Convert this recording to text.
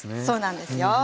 そうなんですよ。